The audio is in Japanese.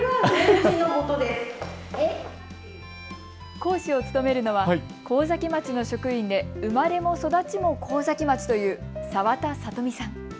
講師を務めるのは神崎町の職員で生まれも育ちも神崎町という澤田聡美さん。